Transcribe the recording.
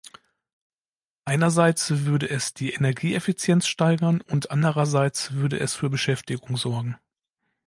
Einerseits würde es die Energieeffizienz steigern, und andererseits würde es für Beschäftigung sorgen.